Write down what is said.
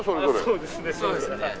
そうですね。